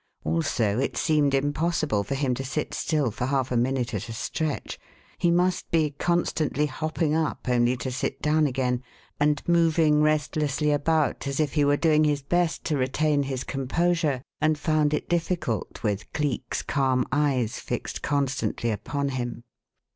Also, it seemed impossible for him to sit still for half a minute at a stretch; he must be constantly hopping up only to sit down again, and moving restlessly about as if he were doing his best to retain his composure and found it difficult with Cleek's calm eyes fixed constantly upon him.